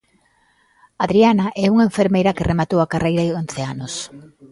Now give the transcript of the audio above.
Adriana é unha enfermeira que rematou a carreira hai once anos.